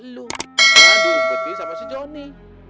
aduh berhenti sama si joni